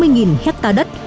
bốn mươi nghìn hecta đất